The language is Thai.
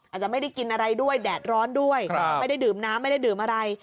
อาจจะไม่ได้กินอะไรด้วยแดดร้อนด้วยไม่ได้ดื่มน้ำไม่ได้ดื่มอะไร